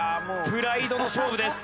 プライドの勝負です。